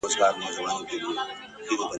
تاریخ دي ماته افسانې ښکاري ..